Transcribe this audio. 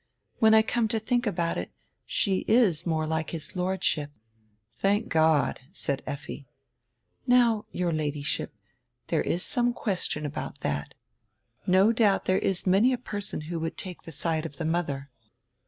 When I come to think ahout it, she is more like his Lordship." "Thank God!" said Em. "Now, your Ladyship, there is some question ahout that. No doubt there is many a person who would take the side of the mother."